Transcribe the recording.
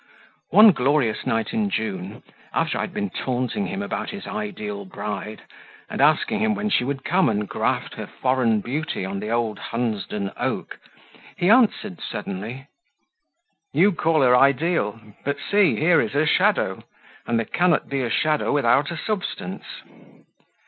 One glorious night in June, after I had been taunting him about his ideal bride and asking him when she would come and graft her foreign beauty on the old Hunsden oak, he answered suddenly "You call her ideal; but see, here is her shadow; and there cannot be a shadow without a substance."